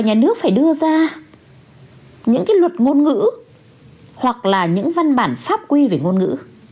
nhà nước phải đưa ra những cái luật ngôn ngữ hoặc là những văn bản pháp quy về ngôn ngữ